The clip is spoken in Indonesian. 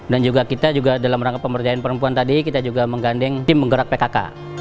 dan juga kita juga dalam rangka pemberdayaan perempuan tadi kita juga mengganding tim menggerak pkk